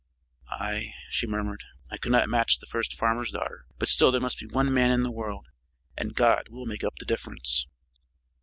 "Aye," she murmured, "I could not match the first farmer's daughter. But still there must be one man in the world and God will make up the difference!"